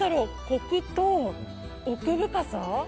コクと奥深さ。